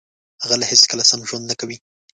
غل هیڅکله سم ژوند نه کوي